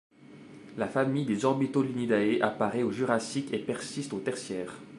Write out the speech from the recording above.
La famille des Orbitolinidae apparaît au Jurassique et persiste au Tertiaire.